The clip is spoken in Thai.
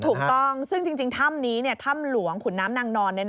ถูกต้องซึ่งจริงถ้ำนี้ถ้ำหลวงขุนน้ำนางนอน